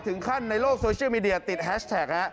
ถึงขั้นในโลกโซเชียลมีเดียติดแฮชแท็ก